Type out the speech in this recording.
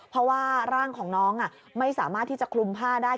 เพราะว่าร่างของน้องไม่สามารถที่จะคลุมผ้าได้